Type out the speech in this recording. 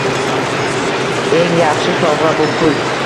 Eng yaxshi sovg'a bu - pul.